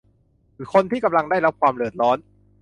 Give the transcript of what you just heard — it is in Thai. คนที่กำลังได้รับความเดือดร้อน